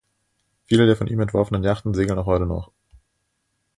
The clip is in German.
Viele der von ihm entworfenen Yachten segeln auch heute noch.